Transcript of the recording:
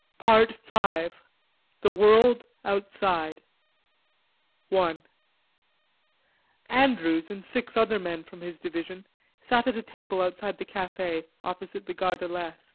PART FIVE: THE WORLD OUTSIDE Andrews, and six other men from his division, sat at a table outside the cafe opposite the Gare de l'Est.